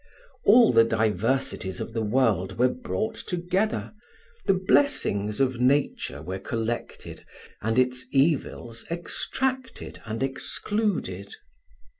All the diversities of the world were brought together, the blessings of nature were collected, and its evils extracted and excluded.